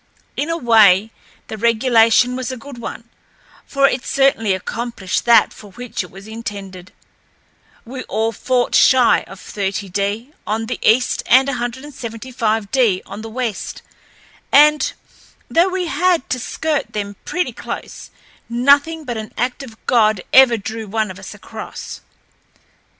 In a way, the regulation was a good one, for it certainly accomplished that for which it was intended. We all fought shy of 30° on the east and 175° on the west, and, though we had to skirt them pretty close, nothing but an act of God ever drew one of us across.